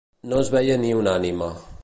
No es veia ni una ànima